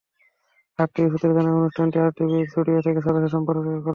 RTV সূত্রে জানা গেছে, অনুষ্ঠানটি আরটিভির স্টুডিও থেকে সরাসরি সম্প্রচার করা হবে।